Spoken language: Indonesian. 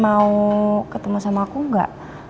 mau ketemu sama aku gak